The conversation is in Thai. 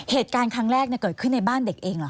เหตุการณ์ครั้งแรกเกิดขึ้นในบ้านเด็กเองเหรอ